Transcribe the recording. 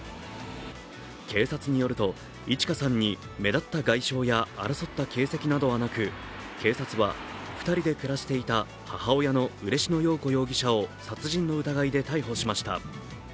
警察によると、いち花さんに目立った外傷や争った形跡などはなく、警察は２人で暮らしていた母親の嬉野陽子容疑者を殺人の疑いで逮捕しました。